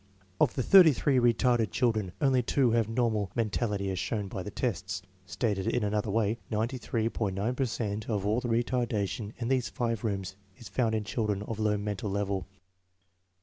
"Qf the 83 retarded children, only 2 have normal mentality as shown by the testa. Stated in another toay, 98.9 per cent of all the retardation in these five rooms is found in children of low mental level.